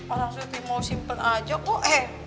orang surti mau simpel aja kok